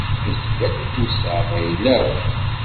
Asga n ufus-a d ayla-w.